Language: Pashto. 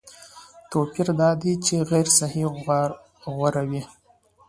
توپیر دا دی چې غیر صحي غوراوي